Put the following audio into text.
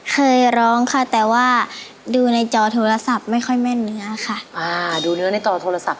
เคยร้องค่ะแต่ว่าดูในจอโทรศัพท์ไม่ค่อยแม่นเนื้อค่ะอ่าดูเนื้อในจอโทรศัพท์